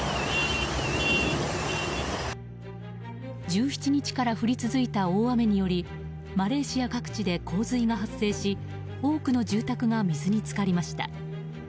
１７日から続いた大雨によりマレーシア各地で洪水が発生し多くの住宅が水に浸かりました。